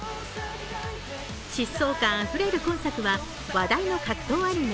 疾走感あふれる今作は話題の格闘アニメ